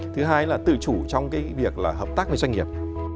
thứ hai là tự chủ trong cái việc là hợp tác với doanh nghiệp